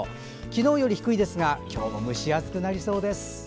昨日より低いですが今日も蒸し暑くなりそうです。